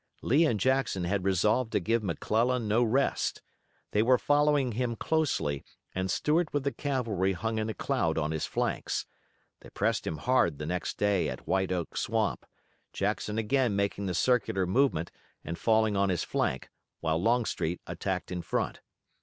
Lee and Jackson had resolved to give McClellan no rest. They were following him closely and Stuart with the cavalry hung in a cloud on his flanks. They pressed him hard the next day at White Oak Swamp, Jackson again making the circular movement and falling on his flank, while Longstreet attacked in front.